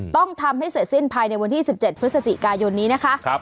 ต้องทำให้เสร็จสิ้นภายในวันที่๑๗พฤศจิกายนนี้นะคะ